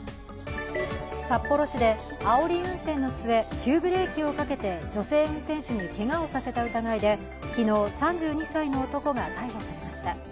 札幌市であおり運転の末、急ブレーキをかけて女性運転手にけがをさせた疑いで昨日、３２歳の男が逮捕されました。